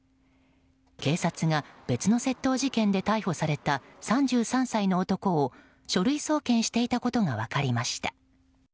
警察が別の窃盗事件で逮捕された３３歳の男を書類送検していたことが分かりました。